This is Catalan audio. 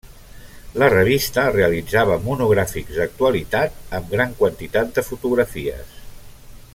La revista realitzava monogràfics d'actualitat amb gran quantitat de fotografies.